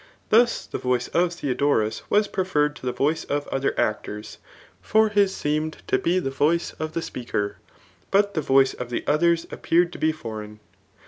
Thus, the voice of Theodorus was preferred to the voice of other actors ; for his seenfed to be the voice of the speaker, but the voice of the others appeared to be forefign.